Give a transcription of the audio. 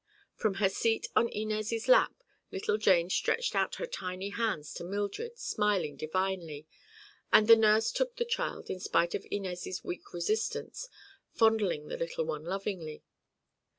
From her seat on Inez' lap little Jane stretched out her tiny hands to Mildred, smiling divinely, and the nurse took the child in spite of Inez' weak resistance, fondling the little one lovingly.